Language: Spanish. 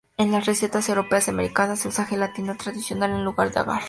En las recetas europeas y americanas, se usa gelatina tradicional en lugar de agar.